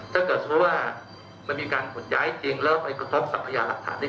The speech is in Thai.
ถ้าเกิดสมมุติว่ามันมีการขนย้ายจริงแล้วไปกระทบสัพยาหลักฐานเนี่ย